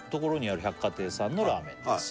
「百花亭さんのラーメンです」